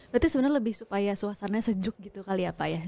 berarti sebenarnya lebih supaya suasananya sejuk gitu kali ya pak ya